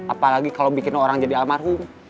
apalagi kalau bikin orang jadi almarhum